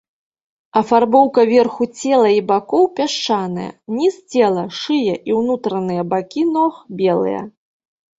Афарбоўка верху цела і бакоў пясчаная, ніз цела, шыя і ўнутраныя бакі ног белыя.